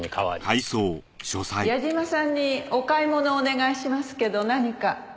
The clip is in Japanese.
矢嶋さんにお買い物をお願いしますけど何か？